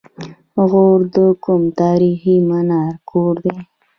غور د کوم تاریخي منار کور دی؟